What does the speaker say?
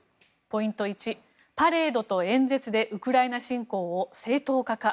ポイント１、パレードと演説でウクライナ侵攻を正当化か。